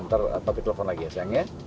ntar papi telepon lagi ya sayang ya